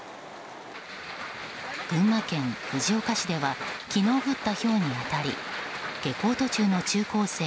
群馬県藤岡市では昨日降ったひょうに当たり下校途中の中高生